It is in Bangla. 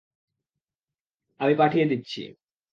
আমি পাঠিয়ে দিচ্ছি।